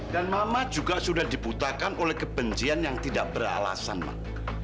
dan mama juga sudah dibutakan oleh kebencian yang tidak beralasan mak